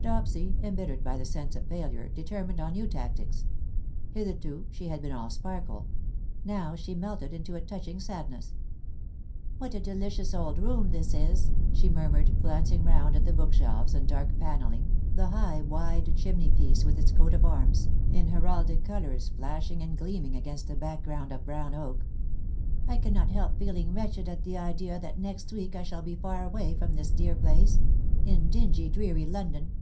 '' Dopsy, embittered by the sense of failure, de termined on new tactics. Hitherto she had been all sparkle — now she melted into a touching sadness. " "What a delicious old room this is/" she mur mured, glancing round at the bookshelves and dark panelling, the high wide chimney piece with its coat of arms, in heraldic colours, flashing and gleaming 250 ^^WHO KNOWS NOT CIRCE?" against a background of brown oak. " I cannot help feeling wretched at the idea that next week I shall be far away from this dear place — in dingy^ dreary London.